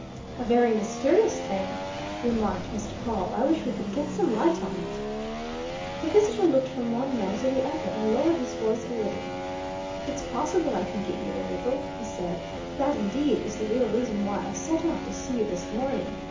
"A very mysterious thing!" remarked Mr. Pawle. "I wish we could get some light on it!" The visitor looked from one man to the other and lowered his voice a little. "It's possible I can give you a little," he said. "That, indeed, is the real reason why I set off to see you this morning.